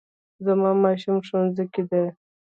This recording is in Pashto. زما ماشوم ښوونځي کې دی